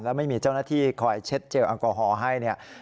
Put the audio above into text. แล้วไม่มีเจ้าหน้าที่คอยเช็ดเจลแอลกอฮอล์ให้เนี่ย